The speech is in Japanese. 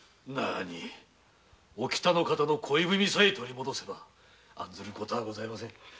お喜多の方の恋文さえ取り戻せば案ずることはございません。